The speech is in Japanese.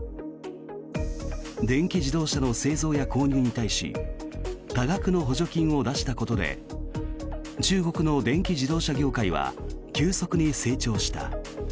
電気自動車の製造や購入に対し多額の補助金を出したことで中国の電気自動車業界は急速に成長した。